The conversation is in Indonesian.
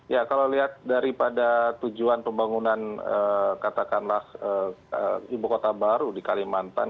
ya kalau lihat daripada tujuan pembangunan katakanlah ibu kota baru di kalimantan